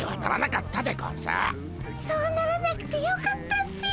そうならなくてよかったっピ。